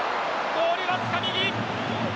ゴール、わずか右！